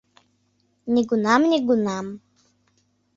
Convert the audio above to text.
— Нигунам-нигунам!..